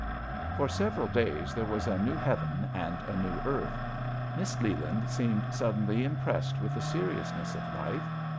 10R several days there was a new heaven and a new earth. Miss Le land seemed suddenly impressed with the seriousness of life.